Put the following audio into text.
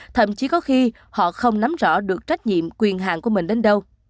thậm chí có khi họ không nắm rõ được trách nhiệm quyền hàng của mình đến đâu